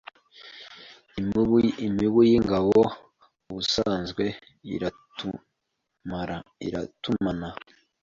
Imibu y'ingabo (ubusanzwe itarumana)